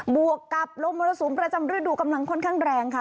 วกกับลมมรสุมประจำฤดูกำลังค่อนข้างแรงค่ะ